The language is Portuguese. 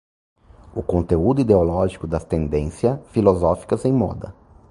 o conteúdo ideológico das tendência filosóficas em moda